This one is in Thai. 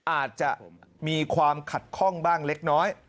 อาจจะมีความขัดข้องบ้างเล็กน้อย